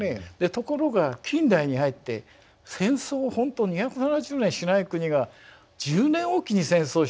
ところが近代に入って戦争を本当２７０年しない国が１０年置きに戦争した。